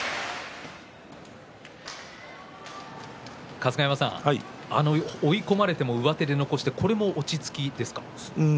春日山さん追い込まれても上手で残してこれも落ち着きですか。